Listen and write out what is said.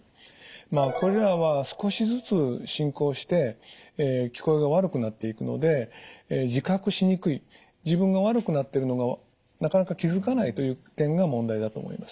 まあこれらは少しずつ進行して聞こえが悪くなっていくので自覚しにくい自分が悪くなってるのがなかなか気付かないという点が問題だと思います。